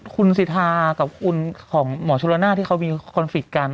คุณสิทธากับคุณของหมอชุระน่าที่เขามีคอนฟิตต์กัน